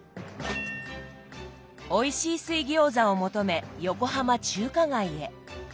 おいしい水餃子を求め横浜中華街へ。